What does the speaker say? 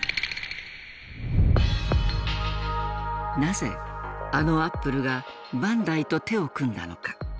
なぜあのアップルがバンダイと手を組んだのか。